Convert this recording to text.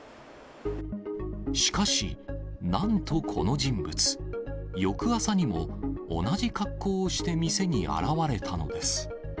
しかし、なんとこの人物、翌朝にも同じ格好をして、店に現れたのです。